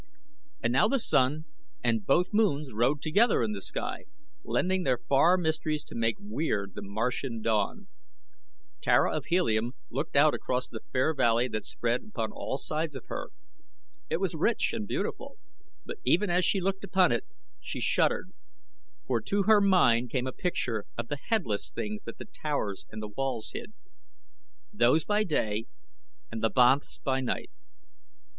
And now the Sun and both Moons rode together in the sky, lending their far mysteries to make weird the Martian dawn. Tara of Helium looked out across the fair valley that spread upon all sides of her. It was rich and beautiful, but even as she looked upon it she shuddered, for to her mind came a picture of the headless things that the towers and the walls hid. Those by day and the banths by night!